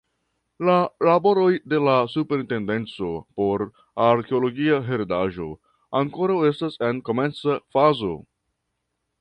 La laboroj de la Superintendenco por Arkeologia Heredaĵo ankoraŭ estas en komenca fazo.